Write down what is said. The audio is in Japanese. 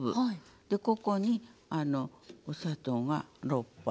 でここにお砂糖が６杯。